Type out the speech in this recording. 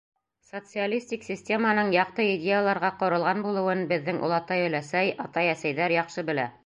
Социалистик системаның яҡты идеяларға ҡоролған булыуын беҙҙең олатай-өләсәй, атай-әсәйҙәр яҡшы белә.